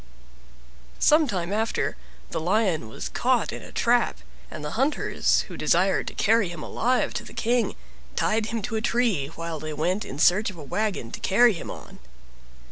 Some time after the Lion was caught in a trap, and the hunters, who desired to carry him alive to the King, tied him to a tree while they went in search of a wagon to carry him on.